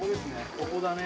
ここだね